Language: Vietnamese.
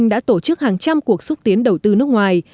đã tổ chức hàng trăm cuộc xúc tiến đầu tư nước ngoài